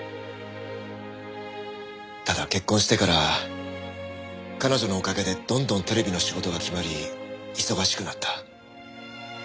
ただ結婚してから彼女のおかげでどんどんテレビの仕事が決まり忙しくなった。